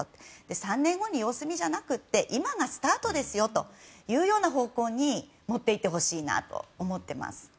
３年後に様子見じゃなくて今がスタートですよという方向に持っていってほしいなと思っています。